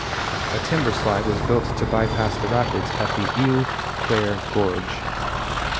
A timber slide was built to bypass the rapids at the Eau Claire Gorge.